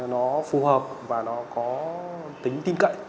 nó phù hợp và nó có tính tin cậy